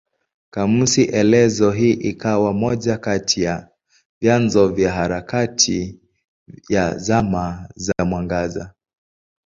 Kamusi elezo hii ikawa moja kati ya vyanzo vya harakati ya Zama za Mwangaza.